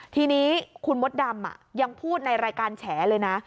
ทีนี้คุณมดดำยังพูดในรายการแฉเลยนะ